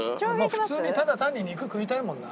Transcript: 普通にただ単に肉食いたいもんな。